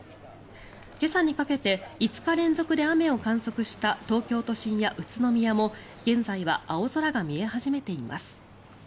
今朝にかけて５日連続で雨を観測した東京都心や宇都宮も現在は青空が見え始めています。